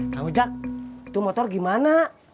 kamu jack itu motor gimana